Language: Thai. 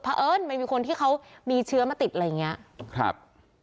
เพราะเอิ้นมันมีคนที่เขามีเชื้อมาติดอะไรอย่างเงี้ยครับ